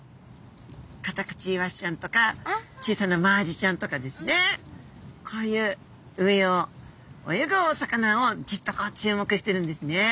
カタクチイワシちゃんとか小さなマアジちゃんとかですねこういう上を泳ぐお魚をジッとこう注目してるんですね。